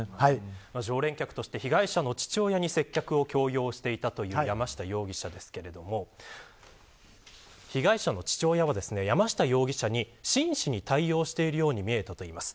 常連客として被害者の父親に接客を強要していたという山下容疑者ですけれど被害者の父親は、山下容疑者に真摯に対応しているように見えたといいます。